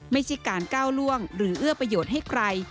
ไม่ใช่การก้าวล่วงหรือเอื้อประโยชน์ให้ใคร